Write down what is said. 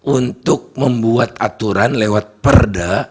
untuk membuat aturan lewat perda